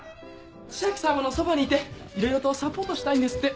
千秋さまのそばにいていろいろとサポートしたいんですって。